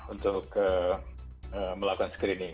untuk melakukan screening